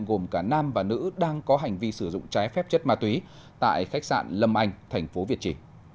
gồm cả nam và nữ đang có hành vi sử dụng trái phép chất ma túy tại khách sạn lâm anh thành phố việt trì